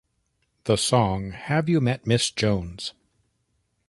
The song Have You Met Miss Jones?